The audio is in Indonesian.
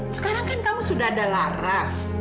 sekarang kan kamu sudah ada laras